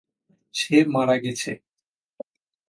সে মারা গেছে!